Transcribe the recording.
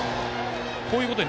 こういうことに